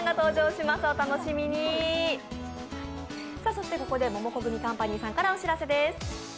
そしてここでモモコグミカンパニーさんからお知らせです。